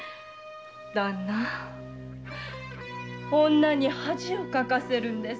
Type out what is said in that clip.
女に恥をかかせるんですか。